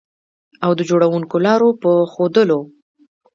او د جوړوونکو لارو په ښودلو